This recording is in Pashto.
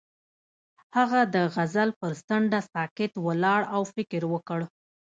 هغه د غزل پر څنډه ساکت ولاړ او فکر وکړ.